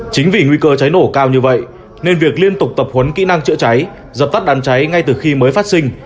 chính vì nguy cơ cháy nổ cao như vậy nên việc liên tục tập huấn kỹ năng chữa cháy dập tắt đám cháy ngay từ khi mới phát sinh